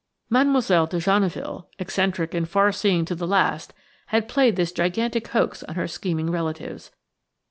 Mademoiselle de Genneville–eccentric and far seeing to the last–had played this gigantic hoax on her scheming relatives.